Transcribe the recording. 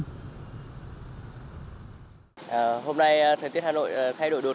hôm nay thời tiết hà nội thay đổi đối